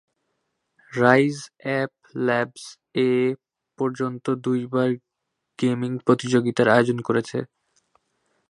Rise Up Labs এ পর্যন্ত দুইবার গেমিং প্রতিযোগিতার আয়োজন করেছে।